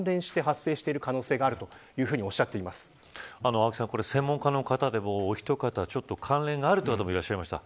青木さん、専門家の方でも関連があるという方もいました。